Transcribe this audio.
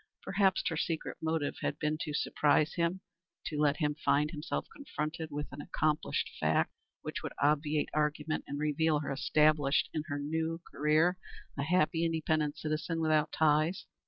Perhaps her secret motive had been to surprise him, to let him find himself confronted with an accomplished fact, which would obviate argument and reveal her established in her new career, a happy, independent citizen, without ties.